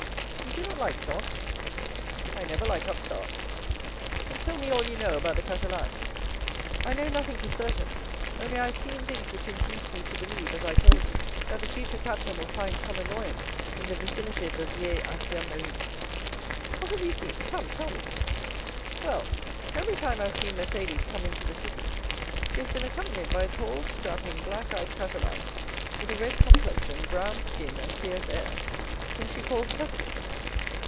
You do not like Dantès?" "I never like upstarts." "Then tell me all you know about the Catalane." "I know nothing for certain; only I have seen things which induce me to believe, as I told you, that the future captain will find some annoyance in the vicinity of the Vieilles Infirmeries." "What have you seen?—come, tell me!" "Well, every time I have seen Mercédès come into the city she has been accompanied by a tall, strapping, black eyed Catalan, with a red complexion, brown skin, and fierce air, whom she calls cousin."